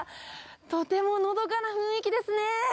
とてものどかな雰囲気ですね。